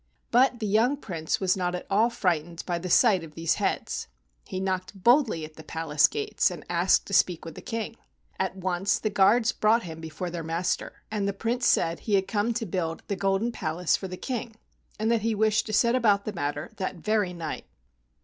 But the young Prince was not at all frightened by the sight of these heads. He knocked boldly at the palace gates and asked to speak with the King. At once the guards brought him before their master, and the Prince said he had come to build the golden palace for the King, and that he wished to set about the matter that very night.